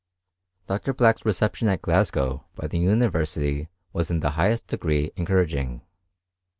Dr. Black's reception at Glasgow by the university was in the highest degree encouraging.